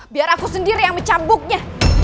biar aku sendiri yang mencambuknya